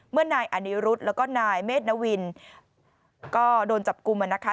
นายอนิรุธแล้วก็นายเมธนวินก็โดนจับกลุ่มนะคะ